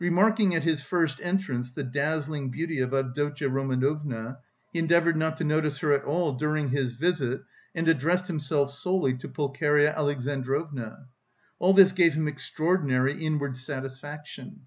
Remarking at his first entrance the dazzling beauty of Avdotya Romanovna, he endeavoured not to notice her at all during his visit and addressed himself solely to Pulcheria Alexandrovna. All this gave him extraordinary inward satisfaction.